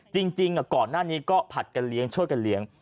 จริงก่อนหน้านี้ก็ผัดกันเลี้ยงช่วยกันเลี้ยง